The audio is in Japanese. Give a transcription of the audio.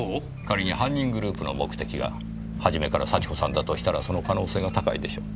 仮に犯人グループの目的が初めから幸子さんだとしたらその可能性が高いでしょう。